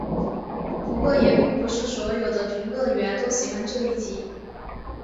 不过也并不是所有的评论员都喜欢这一集。